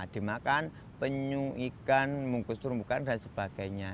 dimakan penyu ikan mungkus terumbukan dan sebagainya